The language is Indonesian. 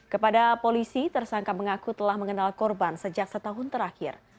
kepada polisi tersangka mengaku telah mengenal korban sejak setahun terakhir